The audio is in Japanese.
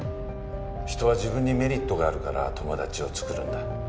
人は自分にメリットがあるから友達を作るんだ。